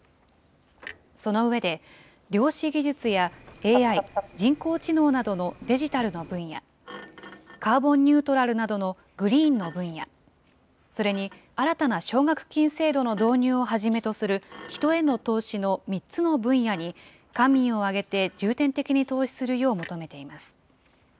その上で、量子技術や、ＡＩ・人工知能などのデジタルの分野、カーボンニュートラルなどのグリーンの分野、それに新たな奨学金制度の導入をはじめとする人への投資の３つの分野に、官民を挙げて重点的に投資するよう求めています。